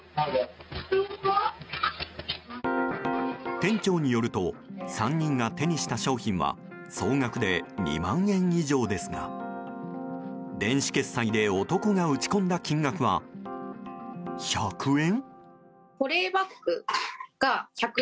店長によると３人が手にした商品は総額で２万円以上ですが電子決済で男が打ち込んだ金額は１００円？